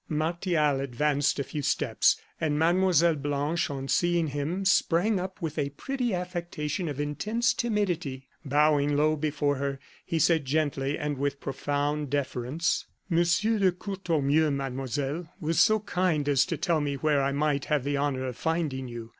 Martial advanced a few steps, and Mlle. Blanche, on seeing him, sprang up with a pretty affectation of intense timidity. Bowing low before her, he said, gently, and with profound deference: "Monsieur de Courtornieu, Mademoiselle, was so kind as to tell me where I might have the honor of finding you.